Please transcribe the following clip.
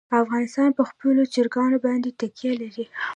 افغانستان په خپلو چرګانو باندې تکیه لري.